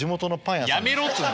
やめろっつうの！